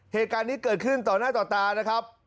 เหตุการณ์นี้เกิดขึ้นต่อหน้าต่อตานะครับ